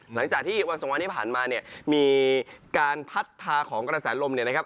หลังจากที่วันสองวันที่ผ่านมาเนี่ยมีการพัดพาของกระแสลมเนี่ยนะครับ